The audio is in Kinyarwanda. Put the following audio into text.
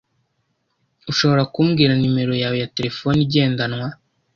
Ushobora kumbwira nimero yawe ya terefone igendanwa?